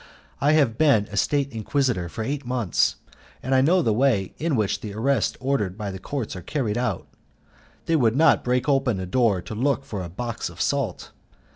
I have been a State Inquisitor for eight months, and I know the way in which the arrests ordered by the court are carried out. They would not break open a door to look for a box of salt.